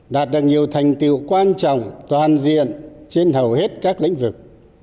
đạt được nhiều thành tiệu quan trọng toàn diện trên hầu hết các lĩnh vực